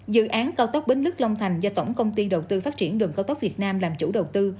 dự án cao tốc bến lức long thành do tổng công ty đầu tư phát triển đường cao tốc việt nam làm chủ đầu tư